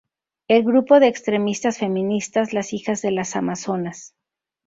El grupo de extremistas feministas "Las Hijas de las Amazonas".